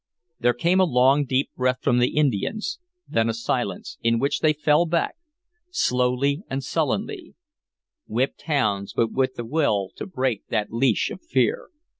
There came a long, deep breath from the Indians, then a silence, in which they fell back, slowly and sullenly; whipped hounds, but with the will to break that leash of fear.